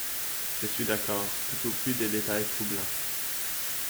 Je suis d’accord, tout au plus des détails troublants.